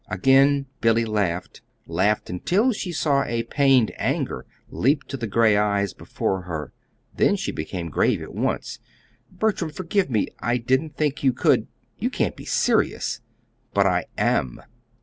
Again Billy laughed laughed until she saw the pained anger leap to the gray eyes before her; then she became grave at once. "Bertram, forgive me. I didn't think you could you can't be serious!" "But I am."